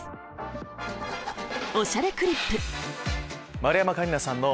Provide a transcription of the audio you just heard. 丸山桂里奈さんの。